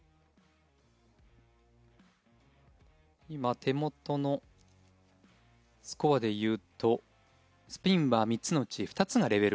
今、手元のスコアで言うとスピンは３つのうち２つがレベル